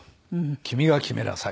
「君が決めなさい」。